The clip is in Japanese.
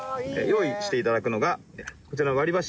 用意して頂くのがこちらの割り箸。